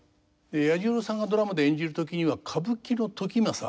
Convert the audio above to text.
彌十郎さんがドラマで演じる時には歌舞伎の時政